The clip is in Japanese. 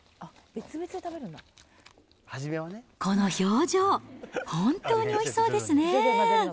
この表情、本当においしそうですね。